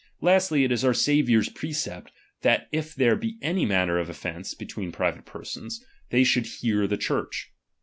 Lastly, it is our ^M Saviour's precept, that if there be any matter of ^M offence between private persons, they should hear ^| tke Church.